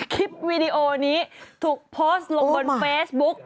คลิปวีดีโอนี้ถูกโพสต์ลงบนเฟซบุ๊ก